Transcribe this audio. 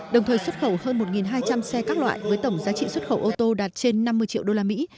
đồng thời xuất khẩu hơn một hai trăm linh xe các loại với tổng giá trị xuất khẩu ô tô đạt trên năm mươi triệu đô la mỹ